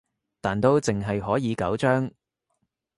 但都淨係可以九張